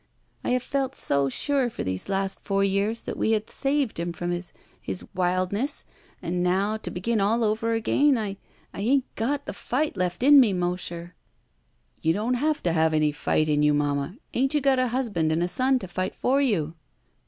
I have felt so sure for these last four years that we have saved him from his — his wildness — and now, to begin all over again, I — ^I 'ain't got the fig^t left in me, Mosher." ''You don't have to have any fight in you, Mamma. 'Ain't you got a husband and a son to fight for you?"